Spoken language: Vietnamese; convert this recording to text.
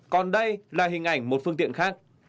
còn đây là hình ảnh một phương tiện khác